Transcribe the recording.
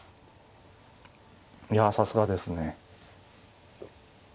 いやさすがですね。